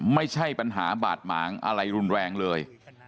ไม่ใช่ปัญหาบาดหมางอะไรรุนแรงเลย